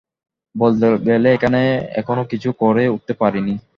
বলতে গেলে এখানে এখনও কিছুই করে উঠতে পারিনি।